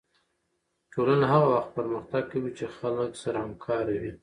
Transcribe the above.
ټولنه هغه وخت پرمختګ کوي چې خلک سره همکاره وي